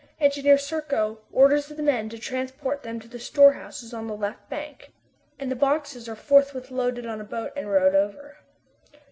Engineer Serko orders the men to transport them to the storehouses on the left bank, and the boxes are forthwith loaded on a boat and rowed over.